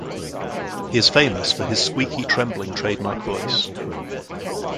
He is famous for his squeaky trembling trademark voice.